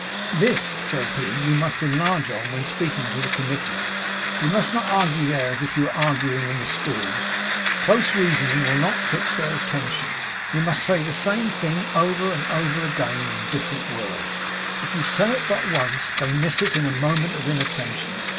'This (said he) you must enlarge on, when speaking to the Committee. You must not argue there as if you were arguing in the schools; close reasoning will not fix their attention; you must say the same thing over and over again, in different words. If you say it but once, they miss it in a moment of inattention.